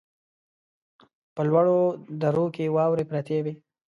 په لوړو درو کې واورې پرتې وې.